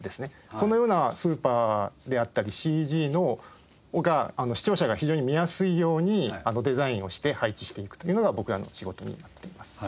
このようなスーパーであったりＣＧを視聴者が非常に見やすいようにデザインをして配置していくというのが僕らの仕事になっています。